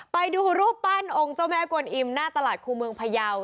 ไปดูรูปปั้นองค์เจ้าแม่กวนอิมหน้าตลาดครูเมืองพยาว